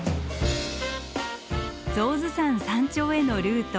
象頭山山頂へのルート。